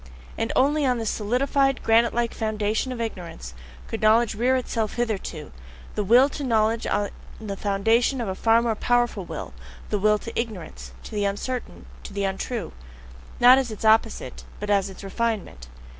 And only on this solidified, granite like foundation of ignorance could knowledge rear itself hitherto, the will to knowledge on the foundation of a far more powerful will, the will to ignorance, to the uncertain, to the untrue! Not as its opposite, but as its refinement!